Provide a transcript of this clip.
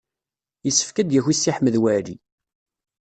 Yessefk ad d-yaki Si Ḥmed Waɛli.